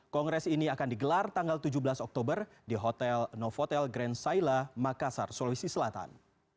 kongres ini akan digelar tanggal tujuh belas oktober di hotel novotel grand saila makassar sulawesi selatan